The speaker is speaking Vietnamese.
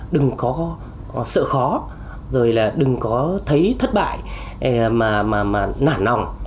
đừng có sợ khó rồi là đừng có thấy thất bại mà nản nòng